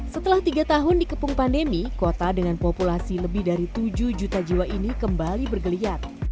setelah tiga tahun dikepung pandemi kota dengan populasi lebih dari tujuh juta jiwa ini kembali bergeliat